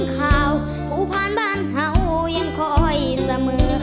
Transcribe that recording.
ส่วนบ้านเห่ายังคอยเสมอ